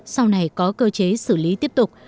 sau này có cơ chế xử lý tiếp tục